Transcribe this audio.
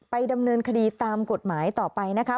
ดำเนินคดีตามกฎหมายต่อไปนะคะ